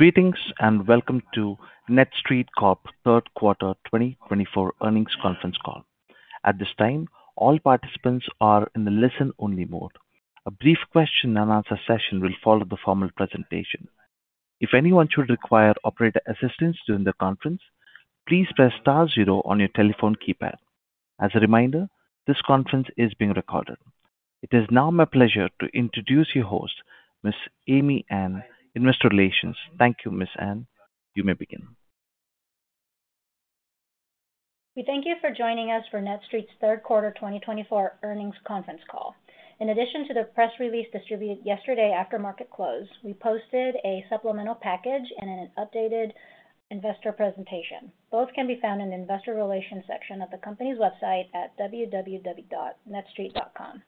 Greetings and welcome to NETSTREIT Corp. 3Q 2024 earnings conference call. At this time, all participants are in the listen-only mode. A brief question-and-answer session will follow the formal presentation. If anyone should require operator assistance during the conference, please press star zero on your telephone keypad. As a reminder, this conference is being recorded. It is now my pleasure to introduce your host, Ms. Amy An, Investor Relations. Thank you, Ms. An. You may begin. We thank you for joining us for NETSTREIT's 3Q 2024 earnings conference call. In addition to the press release distributed yesterday after market close, we posted a supplemental package and an updated investor presentation. Both can be found in the Investor Relations section of the company's website at www.netstreit.com.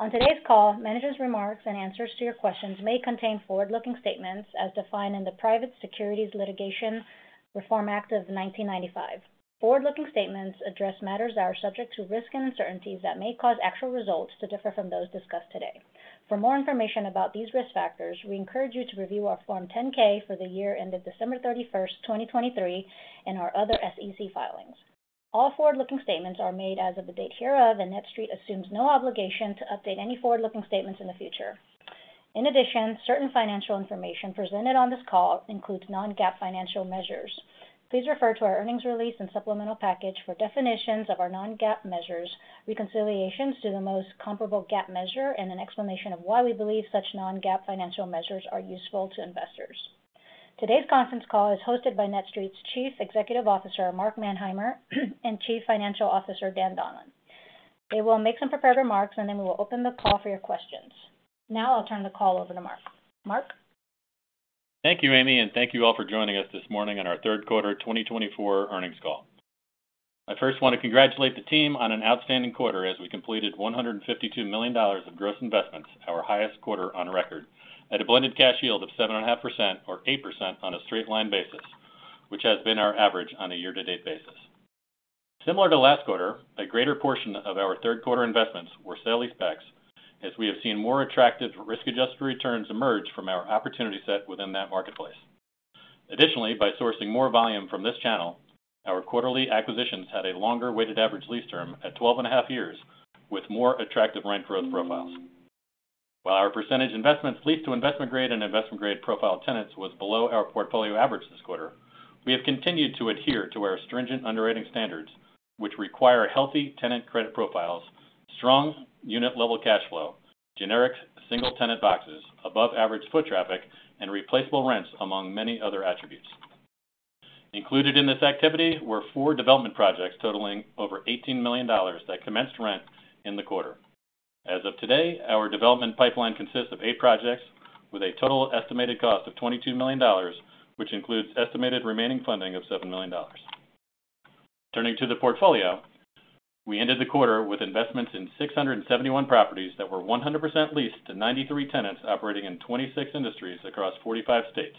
On today's call, managers' remarks and answers to your questions may contain forward-looking statements as defined in the Private Securities Litigation Reform Act of 1995. Forward-looking statements address matters that are subject to risk and uncertainties that may cause actual results to differ from those discussed today. For more information about these risk factors, we encourage you to review our Form 10-K for the year ended December 31, 2023, and our other SEC filings. All forward-looking statements are made as of the date hereof, and NETSTREIT assumes no obligation to update any forward-looking statements in the future. In addition, certain financial information presented on this call includes non-GAAP financial measures. Please refer to our earnings release and supplemental package for definitions of our non-GAAP measures, reconciliations to the most comparable GAAP measure, and an explanation of why we believe such non-GAAP financial measures are useful to investors. Today's conference call is hosted by NETSTREIT's Chief Executive Officer, Mark Manheimer, and Chief Financial Officer, Dan Donlan. They will make some prepared remarks, and then we will open the call for your questions. Now I'll turn the call over to Mark. Mark? Thank you, Amy, and thank you all for joining us this morning on our 3Q 2024 earnings call. I first want to congratulate the team on an outstanding quarter as we completed $152 million of gross investments, our highest quarter on record, at a blended cash yield of 7.5% or 8% on a straight-line basis, which has been our average on a year-to-date basis. Similar to last quarter, a greater portion of our 3Q investments were sale-leasebacks as we have seen more attractive risk-adjusted returns emerge from our opportunity set within that marketplace. Additionally, by sourcing more volume from this channel, our quarterly acquisitions had a longer weighted average lease term at 12.5 years with more attractive rent growth profiles. While our percentage investments leased to investment-grade and investment-grade profile tenants was below our portfolio average this quarter, we have continued to adhere to our stringent underwriting standards, which require healthy tenant credit profiles, strong unit-level cash flow, generic single-tenant boxes, above-average foot traffic, and replaceable rents among many other attributes. Included in this activity were four development projects totaling over $18 million that commenced rent in the quarter. As of today, our development pipeline consists of eight projects with a total estimated cost of $22 million, which includes estimated remaining funding of $7 million. Turning to the portfolio, we ended the quarter with investments in 671 properties that were 100% leased to 93 tenants operating in 26 industries across 45 states.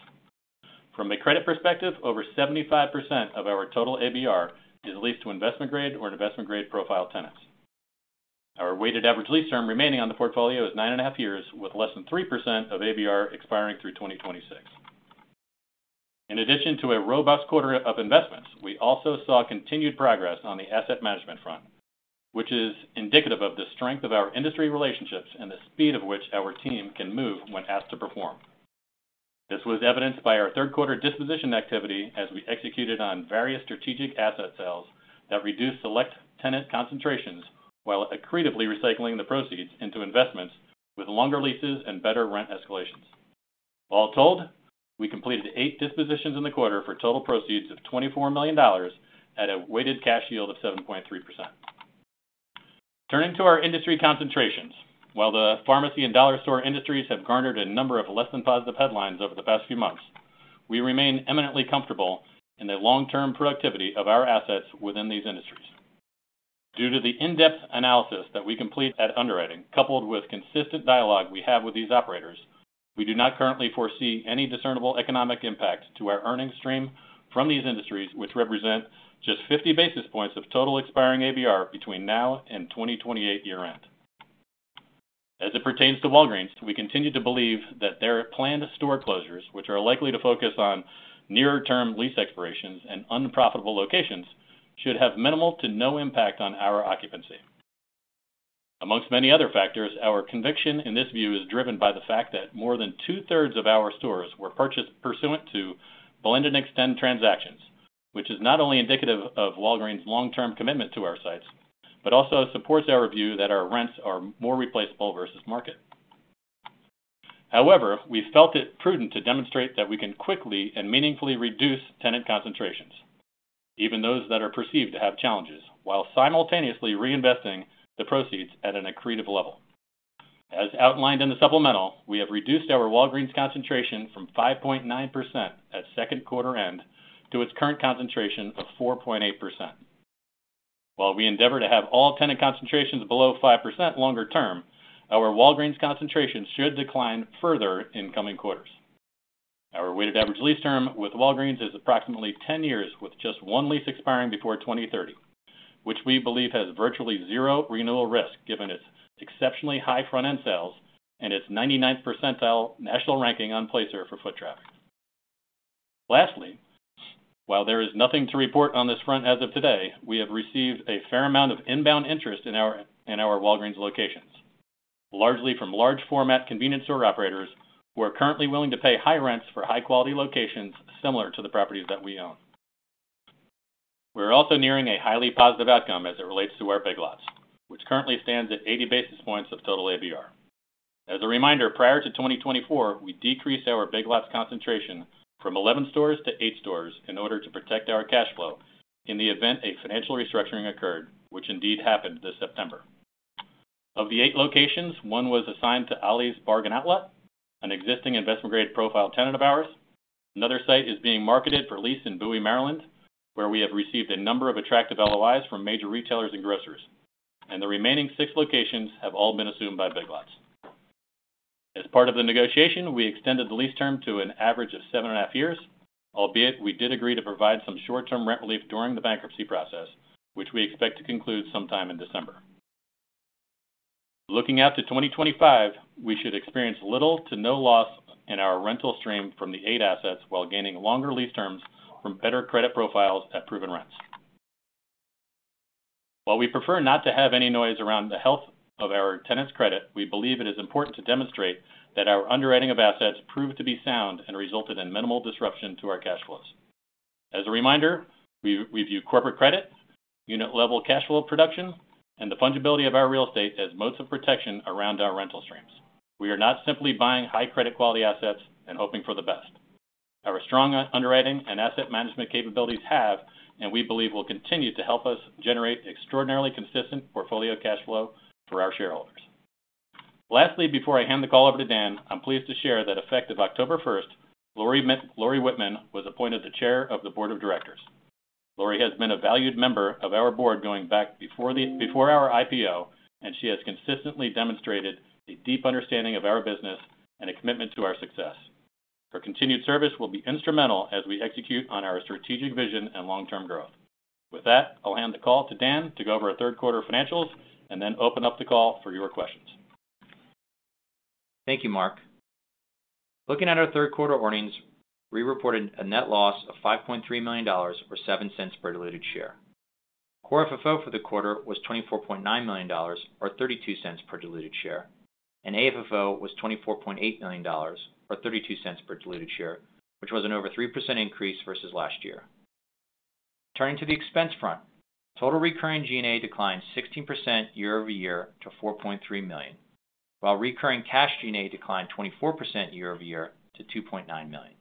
From a credit perspective, over 75% of our total ABR is leased to investment-grade or investment-grade profile tenants. Our weighted average lease term remaining on the portfolio is 9.5 years with less than 3% of ABR expiring through 2026. In addition to a robust quarter of investments, we also saw continued progress on the asset management front, which is indicative of the strength of our industry relationships and the speed of which our team can move when asked to perform. This was evidenced by our 3Q disposition activity as we executed on various strategic asset sales that reduced select tenant concentrations while accretively recycling the proceeds into investments with longer leases and better rent escalations. All told, we completed eight dispositions in the quarter for total proceeds of $24 million at a weighted cash yield of 7.3%. Turning to our industry concentrations, while the pharmacy and dollar store industries have garnered a number of less-than-positive headlines over the past few months, we remain eminently comfortable in the long-term productivity of our assets within these industries. Due to the in-depth analysis that we complete at underwriting, coupled with consistent dialogue we have with these operators, we do not currently foresee any discernible economic impact to our earnings stream from these industries, which represent just 50 basis points of total expiring ABR between now and 2028 year-end. As it pertains to Walgreens, we continue to believe that their planned store closures, which are likely to focus on nearer-term lease expirations and unprofitable locations, should have minimal to no impact on our occupancy. Among many other factors, our conviction in this view is driven by the fact that more than two-thirds of our stores were purchased pursuant to blend-and-extend transactions, which is not only indicative of Walgreens' long-term commitment to our sites but also supports our view that our rents are more replaceable versus market. However, we felt it prudent to demonstrate that we can quickly and meaningfully reduce tenant concentrations, even those that are perceived to have challenges, while simultaneously reinvesting the proceeds at an accretive level. As outlined in the supplemental, we have reduced our Walgreens concentration from 5.9% at 2Q end to its current concentration of 4.8%. While we endeavor to have all tenant concentrations below 5% longer term, our Walgreens concentration should decline further in coming quarters. Our weighted average lease term with Walgreens is approximately 10 years, with just one lease expiring before 2030, which we believe has virtually zero renewal risk given its exceptionally high front-end sales and its 99th percentile national ranking on Placer for foot traffic. Lastly, while there is nothing to report on this front as of today, we have received a fair amount of inbound interest in our Walgreens locations, largely from large-format convenience store operators who are currently willing to pay high rents for high-quality locations similar to the properties that we own. We're also nearing a highly positive outcome as it relates to our Big Lots, which currently stands at 80 basis points of total ABR. As a reminder, prior to 2024, we decreased our Big Lots concentration from 11 stores to 8 stores in order to protect our cash flow in the event a financial restructuring occurred, which indeed happened this September. Of the eight locations, one was assigned to Ollie's Bargain Outlet, an existing investment-grade profile tenant of ours. Another site is being marketed for lease in Bowie, Maryland, where we have received a number of attractive LOIs from major retailers and grocers, and the remaining six locations have all been assumed by Big Lots. As part of the negotiation, we extended the lease term to an average of 7.5 years, albeit we did agree to provide some short-term rent relief during the bankruptcy process, which we expect to conclude sometime in December. Looking out to 2025, we should experience little to no loss in our rental stream from the eight assets while gaining longer lease terms from better credit profiles at proven rents. While we prefer not to have any noise around the health of our tenants' credit, we believe it is important to demonstrate that our underwriting of assets proved to be sound and resulted in minimal disruption to our cash flows. As a reminder, we view corporate credit, unit-level cash flow production, and the fungibility of our real estate as modes of protection around our rental streams. We are not simply buying high-credit quality assets and hoping for the best. Our strong underwriting and asset management capabilities have, and we believe, will continue to help us generate extraordinarily consistent portfolio cash flow for our shareholders. Lastly, before I hand the call over to Dan, I'm pleased to share that effective October 1, Lori Wittman was appointed the Chair of the Board of Directors. Lori has been a valued member of our board going back before our IPO, and she has consistently demonstrated a deep understanding of our business and a commitment to our success. Her continued service will be instrumental as we execute on our strategic vision and long-term growth. With that, I'll hand the call to Dan to go over our 3Q financials and then open up the call for your questions. Thank you, Mark. Looking at our 3Q earnings, we reported a net loss of $5.3 million or $0.07 per diluted share. Core FFO for the quarter was $24.9 million or $0.32 per diluted share, and AFFO was $24.8 million or $0.32 per diluted share, which was an over 3% increase versus last year. Turning to the expense front, total recurring G&A declined 16% year-over-year to $4.3 million, while recurring cash G&A declined 24% year-over-year to $2.9 million.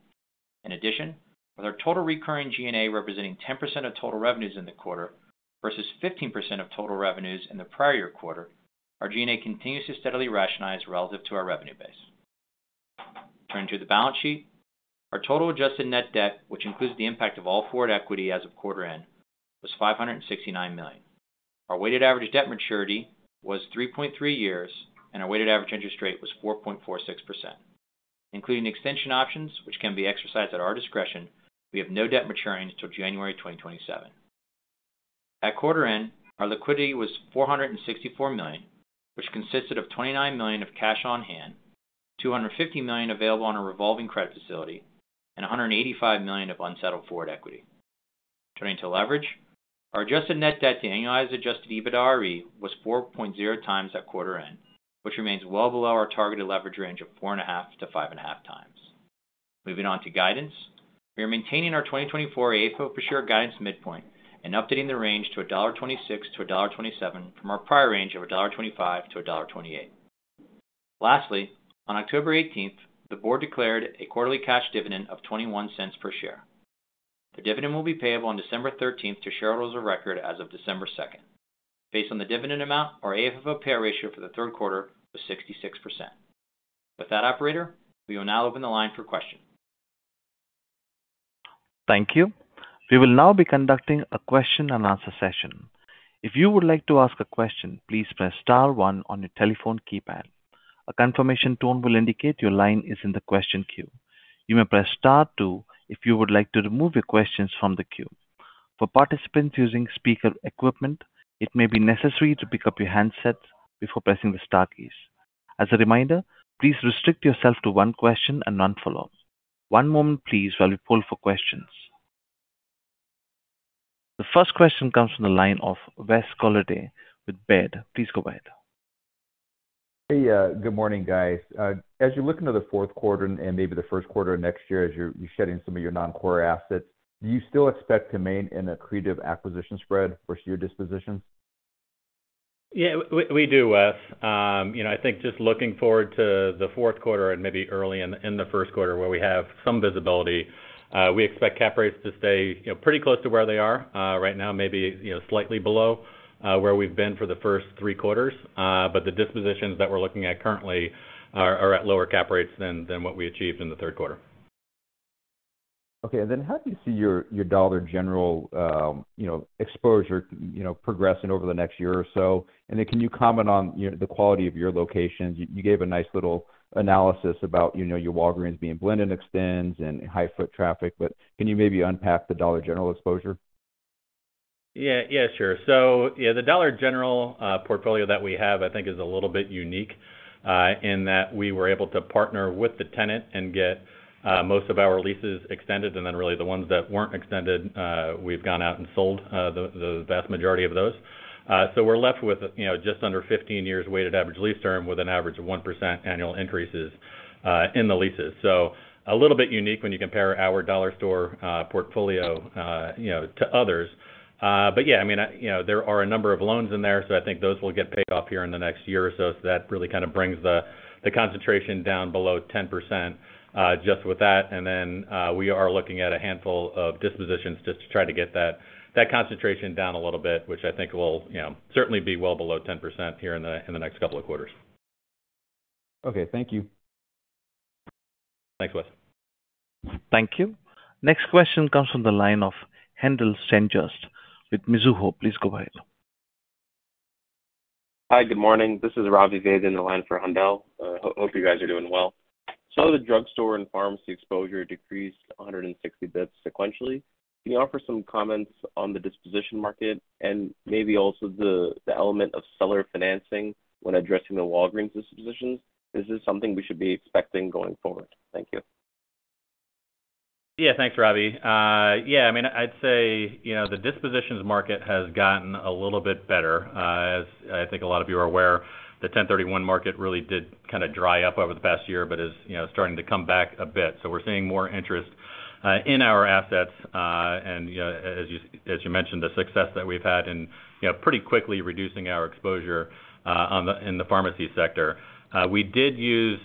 In addition, with our total recurring G&A representing 10% of total revenues in the quarter versus 15% of total revenues in the prior year quarter, our G&A continues to steadily rationalize relative to our revenue base. Turning to the balance sheet, our total adjusted net debt, which includes the impact of all forward equity as of quarter end, was $569 million. Our weighted average debt maturity was 3.3 years, and our weighted average interest rate was 4.46%. Including extension options, which can be exercised at our discretion, we have no debt maturing until January 2027. At quarter end, our liquidity was $464 million, which consisted of $29 million of cash on hand, $250 million available on a revolving credit facility, and $185 million of unsettled forward equity. Turning to leverage, our adjusted net debt to annualized adjusted EBITDAre was 4.0 times at quarter end, which remains well below our targeted leverage range of 4.5-5.5 times. Moving on to guidance, we are maintaining our 2024 AFFO per share guidance midpoint and updating the range to $1.26-$1.27 from our prior range of $1.25-$1.28. Lastly, on October 18, the board declared a quarterly cash dividend of $0.21 per share. The dividend will be payable on December 13 to shareholders of record as of December 2. Based on the dividend amount, our AFFO pay ratio for the 3Q was 66%. With that, operator, we will now open the line for questions. Thank you. We will now be conducting a question-and-answer session. If you would like to ask a question, please press star one on your telephone keypad. A confirmation tone will indicate your line is in the question queue. You may press star two if you would like to remove your questions from the queue. For participants using speaker equipment, it may be necessary to pick up your handsets before pressing the star keys. As a reminder, please restrict yourself to one question and non-follow-up. One moment, please, while we poll for questions. The first question comes from the line of Wes Golladay with Baird. Please go ahead. Hey, good morning, guys. As you're looking to the 4th quarter and maybe the 1st quarter of next year as you're shedding some of your non-core assets, do you still expect to maintain an accretive acquisition spread versus your dispositions? Yeah, we do, Wes. I think just looking forward to the 4th quarter and maybe early in the 1st quarter where we have some visibility, we expect cap rates to stay pretty close to where they are right now, maybe slightly below where we've been for the first three quarters. But the dispositions that we're looking at currently are at lower cap rates than what we achieved in the 3rd quarter. Okay. And then how do you see your Dollar General exposure progressing over the next year or so? And then can you comment on the quality of your locations? You gave a nice little analysis about your Walgreens being blended extends and high foot traffic, but can you maybe unpack the Dollar General exposure? Yeah, yeah, sure. So yeah, the Dollar General portfolio that we have, I think, is a little bit unique in that we were able to partner with the tenant and get most of our leases extended. And then really the ones that weren't extended, we've gone out and sold the vast majority of those. So we're left with just under 15 years weighted average lease term with an average of 1% annual increases in the leases. So a little bit unique when you compare our dollar store portfolio to others. But yeah, I mean, there are a number of loans in there, so I think those will get paid off here in the next year or so. So that really kind of brings the concentration down below 10% just with that. And then we are looking at a handful of dispositions just to try to get that concentration down a little bit, which I think will certainly be well below 10% here in the next couple of quarters. Okay. Thank you. Thanks, Wes. Thank you. Next question comes from the line of Haendel St. Juste with Mizuho. Please go ahead. Hi, good morning. This is Ravi Vaidya on the line for Haendel. Hope you guys are doing well. So the drugstore and pharmacy exposure decreased 160 basis points sequentially. Can you offer some comments on the disposition market and maybe also the element of seller financing when addressing the Walgreens dispositions? Is this something we should be expecting going forward? Thank you. Yeah, thanks, Ravi. Yeah, I mean, I'd say the dispositions market has gotten a little bit better. As I think a lot of you are aware, the 1031 market really did kind of dry up over the past year but is starting to come back a bit. So we're seeing more interest in our assets. And as you mentioned, the success that we've had in pretty quickly reducing our exposure in the pharmacy sector. We did use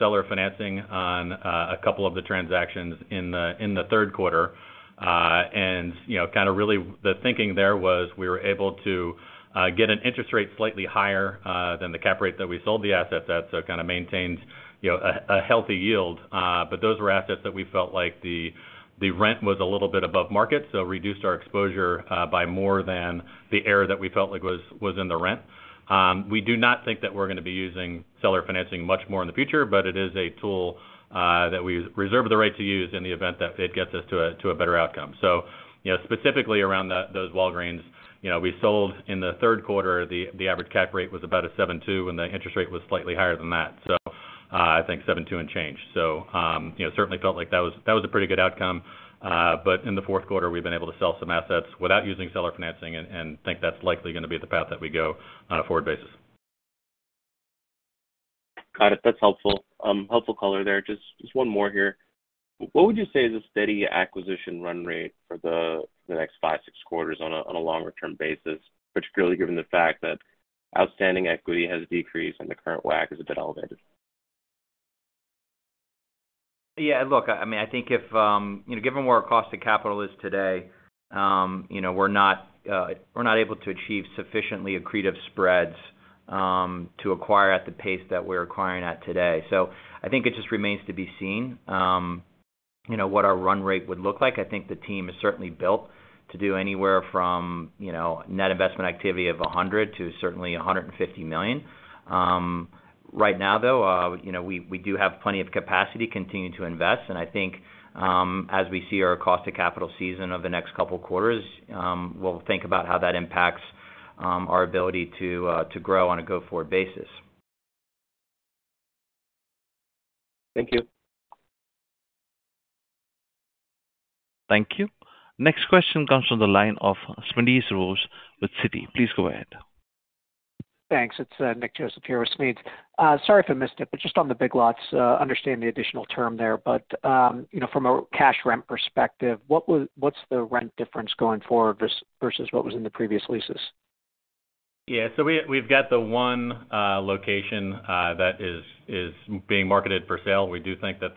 seller financing on a couple of the transactions in the 3rd quarter. And kind of really the thinking there was we were able to get an interest rate slightly higher than the cap rate that we sold the assets at, so kind of maintained a healthy yield. But those were assets that we felt like the rent was a little bit above market, so reduced our exposure by more than the error that we felt like was in the rent. We do not think that we're going to be using seller financing much more in the future, but it is a tool that we reserve the right to use in the event that it gets us to a better outcome. So specifically around those Walgreens, we sold in the third quarter, the average cap rate was about a 7.2, and the interest rate was slightly higher than that. So I think 7.2 and change. So certainly felt like that was a pretty good outcome. But in the fourth quarter, we've been able to sell some assets without using seller financing and think that's likely going to be the path that we go on a forward basis. Got it. That's helpful. Helpful color there. Just one more here. What would you say is a steady acquisition run rate for the next five, six quarters on a longer-term basis, particularly given the fact that outstanding equity has decreased and the current WACC is a bit elevated? Yeah. Look, I mean, I think given where our cost of capital is today, we're not able to achieve sufficiently accretive spreads to acquire at the pace that we're acquiring at today. So I think it just remains to be seen what our run rate would look like. I think the team is certainly built to do anywhere from net investment activity of $100 million to certainly $150 million. Right now, though, we do have plenty of capacity to continue to invest. And I think as we see our cost of capital settle in over the next couple of quarters, we'll think about how that impacts our ability to grow on a go-forward basis. Thank you. Thank you. Next question comes from the line of Smedes Rose with Citi. Please go ahead. Thanks. It's Nick Joseph here with Smedes. Sorry if I missed it, but just on the Big Lots, understand the additional term there. But from a cash rent perspective, what's the rent difference going forward versus what was in the previous leases? Yeah, so we've got the one location that is being marketed for sale. We do think that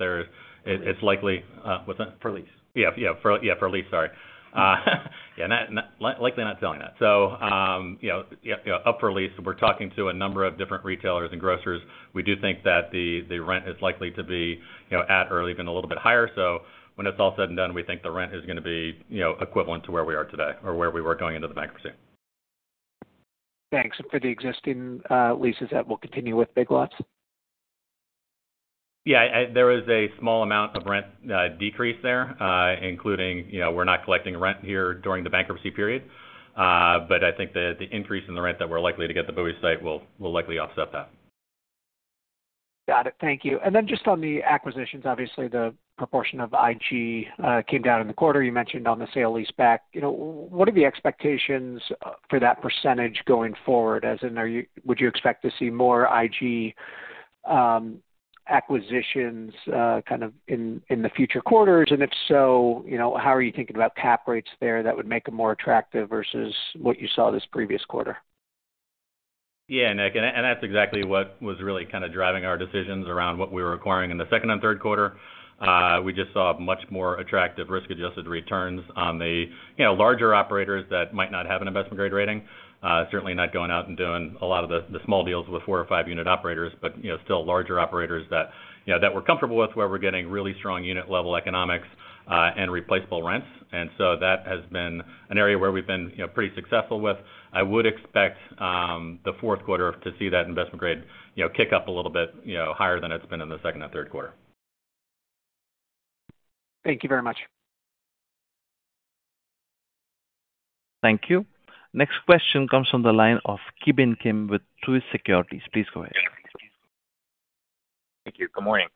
it's likely. For lease. Yeah, yeah. Yeah, for lease, sorry. Yeah, likely not selling that. So up for lease, we're talking to a number of different retailers and grocers. We do think that the rent is likely to be at or even a little bit higher. So when it's all said and done, we think the rent is going to be equivalent to where we are today or where we were going into the bankruptcy. Thanks. And for the existing leases, that will continue with Big Lots? Yeah. There is a small amount of rent decrease there, including we're not collecting rent here during the bankruptcy period. But I think the increase in the rent that we're likely to get at the Bowie site will likely offset that. Got it. Thank you. And then just on the acquisitions, obviously, the proportion of IG came down in the quarter. You mentioned on the sale-leaseback. What are the expectations for that percentage going forward? Would you expect to see more IG acquisitions kind of in the future quarters? And if so, how are you thinking about cap rates there that would make them more attractive versus what you saw this previous quarter? Yeah, Nick. And that's exactly what was really kind of driving our decisions around what we were acquiring in the 2nd and 3rd quarter. We just saw much more attractive risk-adjusted returns on the larger operators that might not have an investment-grade rating. Certainly not going out and doing a lot of the small deals with four or five-unit operators, but still larger operators that we're comfortable with where we're getting really strong unit-level economics and replaceable rents. And so that has been an area where we've been pretty successful with. I would expect the 4th quarter to see that investment-grade kick up a little bit higher than it's been in the 2nd and 3rd quarter. Thank you very much. Thank you. Next question comes from the line of Ki Bin Kim with Truist Securities. Please go ahead. Thank you. Good morning.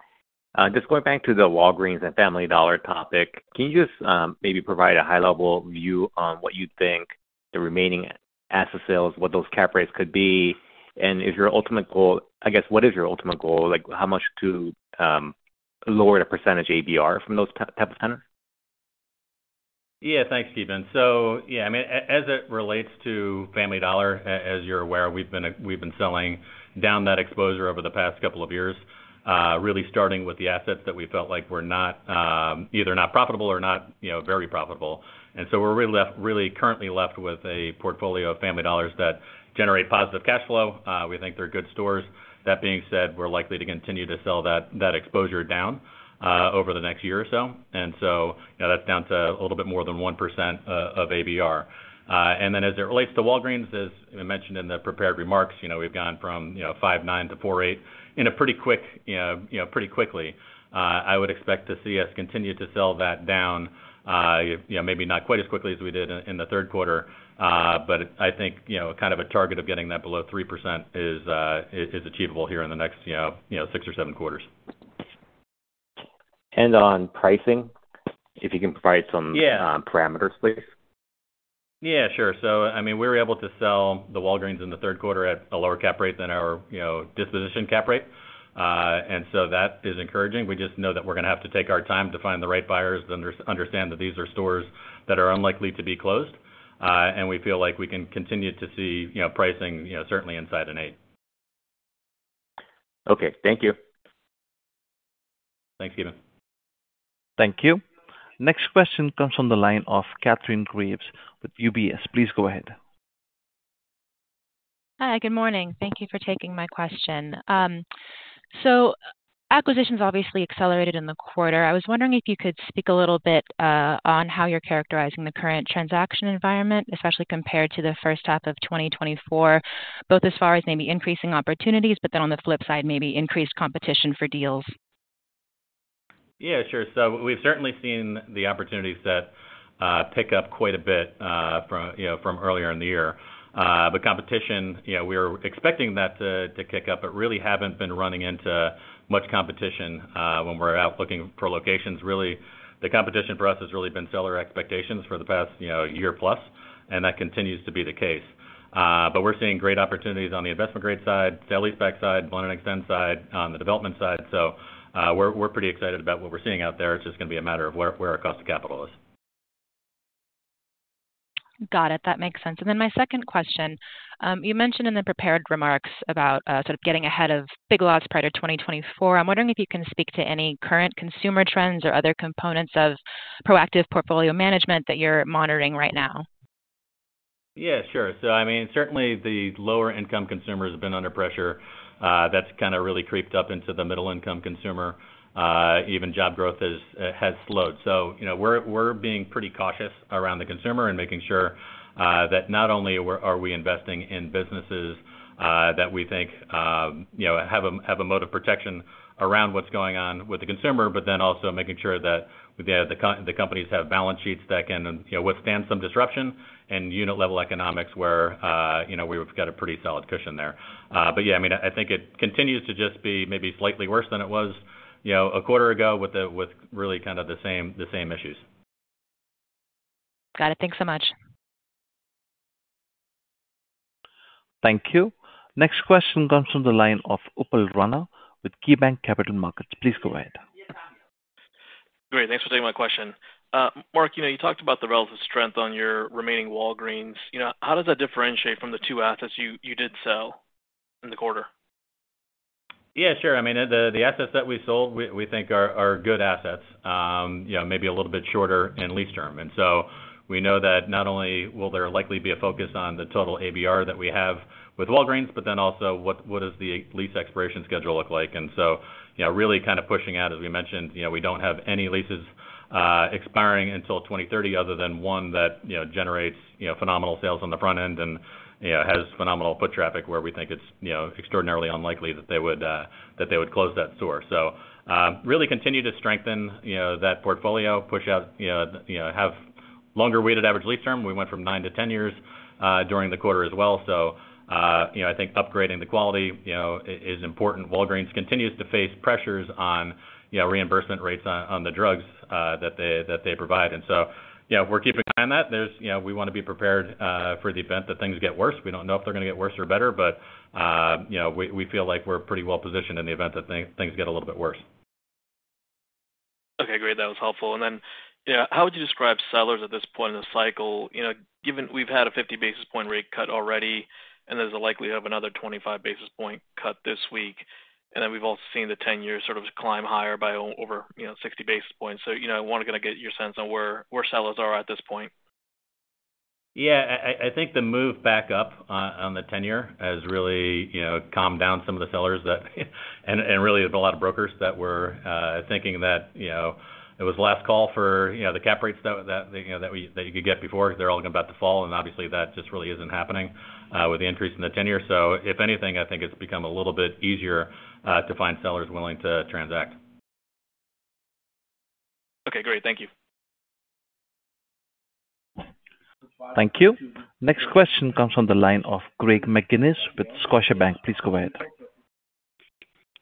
Just going back to the Walgreens and Family Dollar topic, can you just maybe provide a high-level view on what you think the remaining asset sales, what those cap rates could be? And if your ultimate goal, I guess, what is your ultimate goal? How much to lower the percentage ABR from those types of tenants? Yeah. Thanks, Ki Bin. So yeah, I mean, as it relates to Family Dollar, as you're aware, we've been selling down that exposure over the past couple of years, really starting with the assets that we felt like were either not profitable or not very profitable. And so we're really currently left with a portfolio of Family Dollars that generate positive cash flow. We think they're good stores. That being said, we're likely to continue to sell that exposure down over the next year or so. And so that's down to a little bit more than 1% of ABR. And then as it relates to Walgreens, as mentioned in the prepared remarks, we've gone from 5.9% to 4.8% pretty quickly. I would expect to see us continue to sell that down, maybe not quite as quickly as we did in the third quarter. But I think kind of a target of getting that below 3% is achievable here in the next six or seven quarters. On pricing, if you can provide some parameters, please? Yeah, sure. So I mean, we were able to sell the Walgreens in the 3rd quarter at a lower cap rate than our disposition cap rate. And so that is encouraging. We just know that we're going to have to take our time to find the right buyers and understand that these are stores that are unlikely to be closed. And we feel like we can continue to see pricing certainly inside an 8. Okay. Thank you. Thanks, Ki Bin. Thank you. Next question comes from the line of Kathryn Graves with UBS. Please go ahead. Hi, good morning. Thank you for taking my question. So acquisitions obviously accelerated in the quarter. I was wondering if you could speak a little bit on how you're characterizing the current transaction environment, especially compared to the first half of 2024, both as far as maybe increasing opportunities, but then on the flip side, maybe increased competition for deals? Yeah, sure. So we've certainly seen the opportunities that pick up quite a bit from earlier in the year. But competition, we were expecting that to kick up, but really haven't been running into much competition when we're out looking for locations. Really, the competition for us has really been seller expectations for the past year plus, and that continues to be the case. But we're seeing great opportunities on the investment-grade side, sale lease-back side, blended extend side, on the development side. So we're pretty excited about what we're seeing out there. It's just going to be a matter of where our cost of capital is. Got it. That makes sense. And then my second question, you mentioned in the prepared remarks about sort of getting ahead of Big Lots prior to 2024. I'm wondering if you can speak to any current consumer trends or other components of proactive portfolio management that you're monitoring right now. Yeah, sure. So I mean, certainly the lower-income consumers have been under pressure. That's kind of really creeped up into the middle-income consumer. Even job growth has slowed. So we're being pretty cautious around the consumer and making sure that not only are we investing in businesses that we think have a moat of protection around what's going on with the consumer, but then also making sure that the companies have balance sheets that can withstand some disruption and unit-level economics where we've got a pretty solid cushion there. But yeah, I mean, I think it continues to just be maybe slightly worse than it was a quarter ago with really kind of the same issues. Got it. Thanks so much. Thank you. Next question comes from the line of Upal Rana with KeyBanc Capital Markets. Please go ahead. Great. Thanks for taking my question. Mark, you talked about the relative strength on your remaining Walgreens. How does that differentiate from the two assets you did sell in the quarter? Yeah, sure. I mean, the assets that we sold, we think are good assets, maybe a little bit shorter in lease term. And so we know that not only will there likely be a focus on the total ABR that we have with Walgreens, but then also what does the lease expiration schedule look like? And so really kind of pushing out, as we mentioned, we don't have any leases expiring until 2030 other than one that generates phenomenal sales on the front end and has phenomenal foot traffic where we think it's extraordinarily unlikely that they would close that store. So really continue to strengthen that portfolio, push out, have longer weighted average lease term. We went from nine to 10 years during the quarter as well. So I think upgrading the quality is important. Walgreens continues to face pressures on reimbursement rates on the drugs that they provide. And so we're keeping an eye on that. We want to be prepared for the event that things get worse. We don't know if they're going to get worse or better, but we feel like we're pretty well positioned in the event that things get a little bit worse. Okay. Great. That was helpful. And then how would you describe sellers at this point in the cycle? We've had a 50 basis point rate cut already, and there's a likelihood of another 25 basis point cut this week. And then we've also seen the 10-year sort of climb higher by over 60 basis points. So I want to kind of get your sense on where sellers are at this point. Yeah. I think the move back up on the 10-year has really calmed down some of the sellers and really a lot of brokers that were thinking that it was last call for the cap rates that you could get before because they're all going to about to fall, and obviously, that just really isn't happening with the increase in the 10-year. So if anything, I think it's become a little bit easier to find sellers willing to transact. Okay. Great. Thank you. Thank you. Next question comes from the line of Greg McGinniss with Scotiabank. Please go ahead.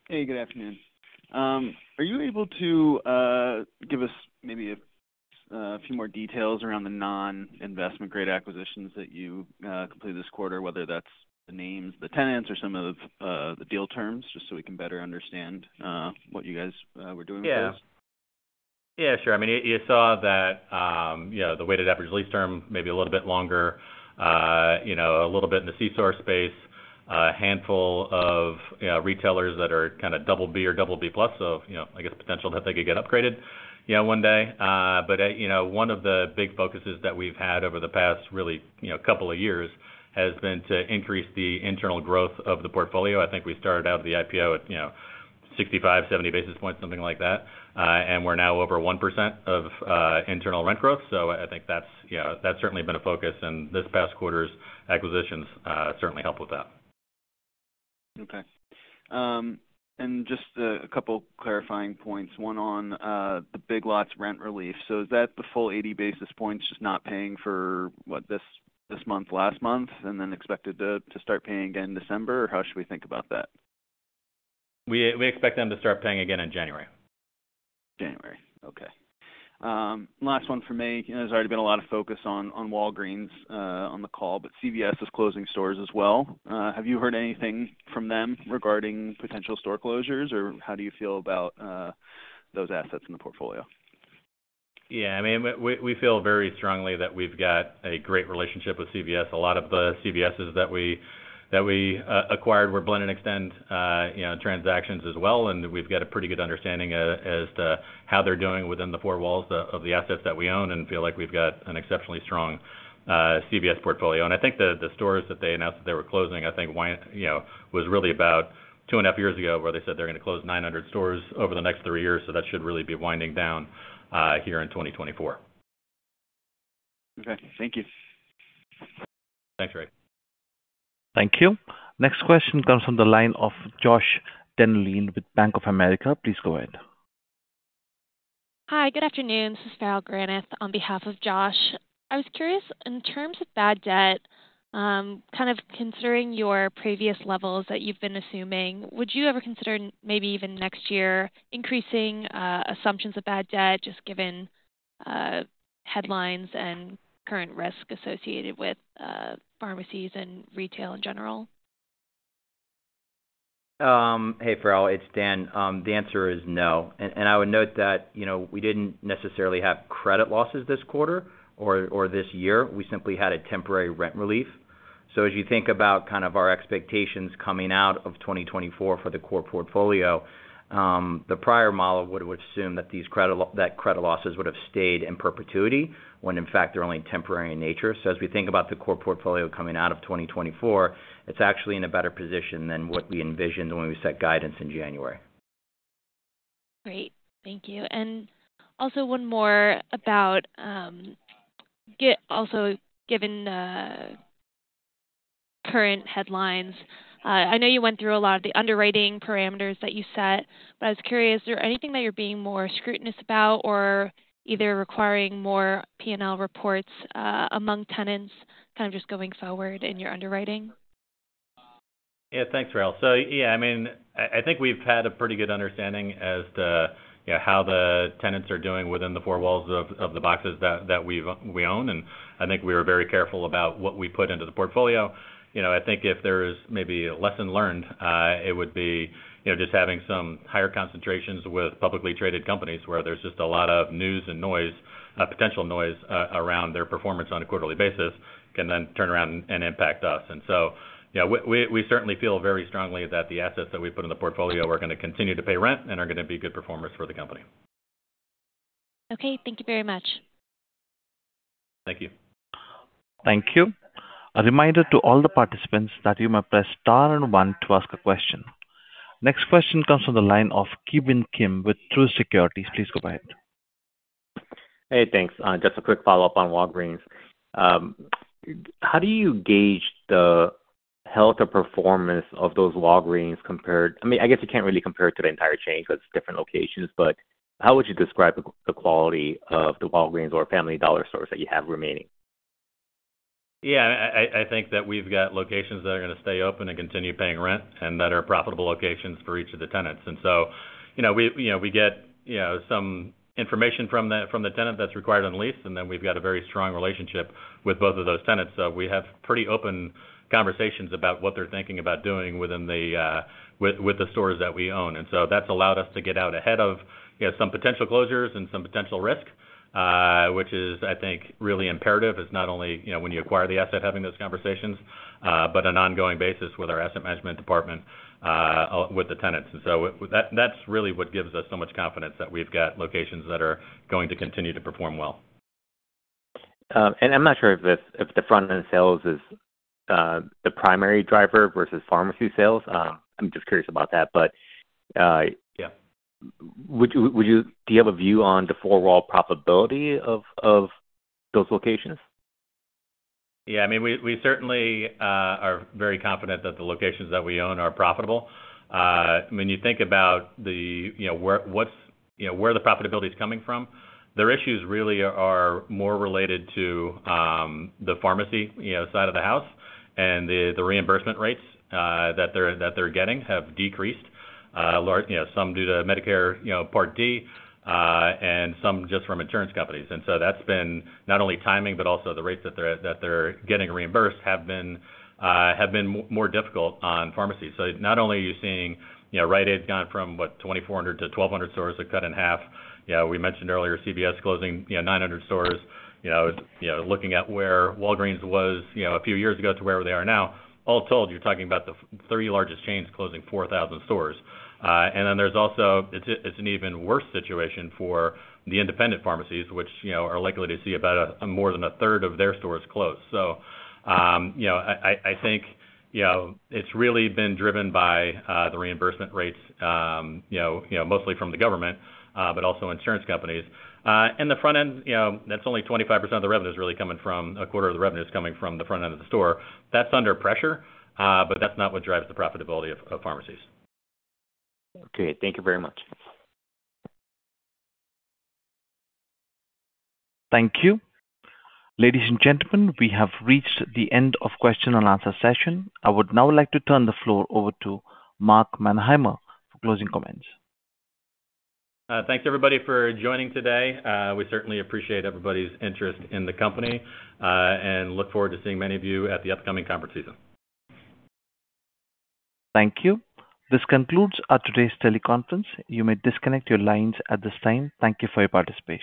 Hey, good afternoon. Are you able to give us maybe a few more details around the non-investment-grade acquisitions that you completed this quarter, whether that's the names, the tenants, or some of the deal terms, just so we can better understand what you guys were doing with those? Yeah. Yeah, sure. I mean, you saw that the weighted average lease term may be a little bit longer, a little bit in the C-store space, a handful of retailers that are kind of BB or BB plus, so I guess potential that they could get upgraded one day. But one of the big focuses that we've had over the past really couple of years has been to increase the internal growth of the portfolio. I think we started out of the IPO at 65-70 basis points, something like that. And we're now over 1% of internal rent growth. So I think that's certainly been a focus. And this past quarter's acquisitions certainly helped with that. Okay. And just a couple of clarifying points. One on the Big Lots rent relief. So is that the full 80 basis points just not paying for what this month, last month, and then expected to start paying again in December? Or how should we think about that? We expect them to start paying again in January. January. Okay. Last one for me. There's already been a lot of focus on Walgreens on the call, but CVS is closing stores as well. Have you heard anything from them regarding potential store closures, or how do you feel about those assets in the portfolio? Yeah. I mean, we feel very strongly that we've got a great relationship with CVS. A lot of the CVSs that we acquired were blended extend transactions as well. And we've got a pretty good understanding as to how they're doing within the four walls of the assets that we own and feel like we've got an exceptionally strong CVS portfolio. And I think the stores that they announced that they were closing, I think, was really about two and a half years ago where they said they're going to close 900 stores over the next three years. So that should really be winding down here in 2024. Okay. Thank you. Thanks, Greg. Thank you. Next question comes from the line of Joshua Dennerlein with Bank of America. Please go ahead. Hi, good afternoon. This is Farrell Granath on behalf of Josh. I was curious, in terms of bad debt, kind of considering your previous levels that you've been assuming, would you ever consider maybe even next year increasing assumptions of bad debt just given headlines and current risk associated with pharmacies and retail in general? Hey, Farrell. It's Dan. The answer is no. And I would note that we didn't necessarily have credit losses this quarter or this year. We simply had a temporary rent relief. So as you think about kind of our expectations coming out of 2024 for the core portfolio, the prior model would have assumed that those credit losses would have stayed in perpetuity when, in fact, they're only temporary in nature. So as we think about the core portfolio coming out of 2024, it's actually in a better position than what we envisioned when we set guidance in January. Great. Thank you. And also one more about given the current headlines. I know you went through a lot of the underwriting parameters that you set, but I was curious. Is there anything that you're being more scrutinous about or either requiring more P&L reports among tenants kind of just going forward in your underwriting? Yeah. Thanks, Farrell. So, yeah, I mean, I think we've had a pretty good understanding as to how the tenants are doing within the four walls of the boxes that we own, and I think we were very careful about what we put into the portfolio. I think if there is maybe a lesson learned, it would be just having some higher concentrations with publicly traded companies where there's just a lot of news and noise, potential noise around their performance on a quarterly basis can then turn around and impact us, and so we certainly feel very strongly that the assets that we put in the portfolio are going to continue to pay rent and are going to be good performers for the company. Okay. Thank you very much. Thank you. Thank you. A reminder to all the participants that you may press star and one to ask a question. Next question comes from the line of Ki Bin Kim with Truist Securities. Please go ahead. Hey, thanks. Just a quick follow-up on Walgreens. How do you gauge the health or performance of those Walgreens compared? I mean, I guess you can't really compare it to the entire chain because it's different locations, but how would you describe the quality of the Walgreens or Family Dollar stores that you have remaining? Yeah. I think that we've got locations that are going to stay open and continue paying rent and that are profitable locations for each of the tenants. And so we get some information from the tenant that's required on the lease, and then we've got a very strong relationship with both of those tenants. So we have pretty open conversations about what they're thinking about doing with the stores that we own. And so that's allowed us to get out ahead of some potential closures and some potential risk, which, I think, is really imperative: not only when you acquire the asset having those conversations, but on an ongoing basis with our asset management department with the tenants. And so that's really what gives us so much confidence that we've got locations that are going to continue to perform well. And I'm not sure if the front-end sales is the primary driver versus pharmacy sales. I'm just curious about that. But do you have a view on the four-wall profitability of those locations? Yeah. I mean, we certainly are very confident that the locations that we own are profitable. When you think about where the profitability is coming from, their issues really are more related to the pharmacy side of the house, and the reimbursement rates that they're getting have decreased, some due to Medicare Part D and some just from insurance companies. And so that's been not only timing, but also the rates that they're getting reimbursed have been more difficult on pharmacy. So not only are you seeing Rite Aid's gone from, what, 2,400 to 1,200 stores. That's cut in half. We mentioned earlier CVS closing 900 stores. Looking at where Walgreens was a few years ago to where they are now, all told, you're talking about the three largest chains closing 4,000 stores. And then there's also, it's an even worse situation for the independent pharmacies, which are likely to see more than a third of their stores closed, so I think it's really been driven by the reimbursement rates, mostly from the government, but also insurance companies, and the front-end, that's only 25% of the revenue is coming from the front-end of the store. That's under pressure, but that's not what drives the profitability of pharmacies. Okay. Thank you very much. Thank you. Ladies and gentlemen, we have reached the end of the question and answer session. I would now like to turn the floor over to Mark Manheimer for closing comments. Thanks, everybody, for joining today. We certainly appreciate everybody's interest in the company and look forward to seeing many of you at the upcoming conference season. Thank you. This concludes our today's teleconference. You may disconnect your lines at this time. Thank you for your participation.